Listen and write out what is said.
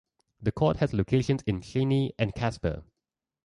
The court has locations in Cheyenne and Casper.